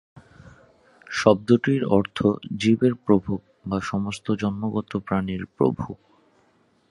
শব্দটির অর্থ "জীবের প্রভু", বা "সমস্ত জন্মগত প্রাণীর প্রভু"।